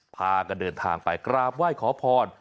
พากันเดินทางไปกราบไหว้ขอพร